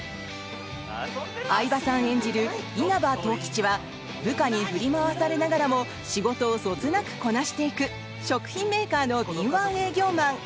相葉さん演じる稲葉十吉は部下に振り回されながらも仕事をそつなくこなしていく食品メーカーの敏腕営業マン。